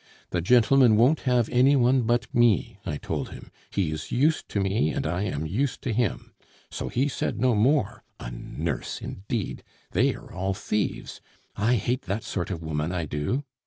'The gentleman won't have any one but me,' I told him. 'He is used to me, and I am used to him.' So he said no more. A nurse, indeed! They are all thieves; I hate that sort of woman, I do.